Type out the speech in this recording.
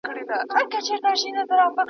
چي زه او ته راضي، څه او څه غيم د قاضي.